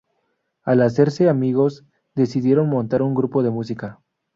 Al hacerse amigos, decidieron montar un grupo de música.